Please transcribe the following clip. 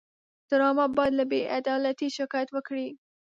ډرامه باید له بېعدالتۍ شکایت وکړي